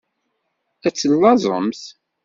Ad tellaẓemt.